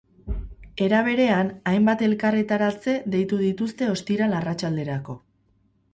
Era berean, hainbat elkarretaratze deitu dituzte ostiral arratsalderako.